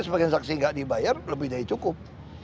sebagian saksi nggak dibayar lebih dari cukup